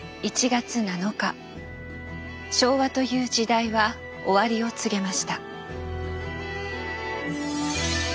昭和という時代は終わりを告げました。